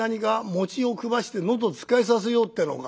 餅を食わして喉つっかえさせようってのか？